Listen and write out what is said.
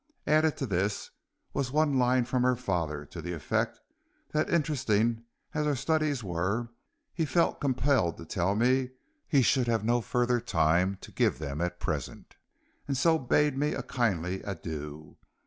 Added to this was one line from her father, to the effect that interesting as our studies were, he felt compelled to tell me he should have no further time to give to them at present, and so bade me a kindly adieu.